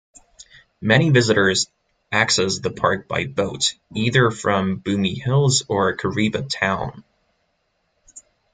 Many visitors access the park by boat either from Bumi Hills or Kariba town.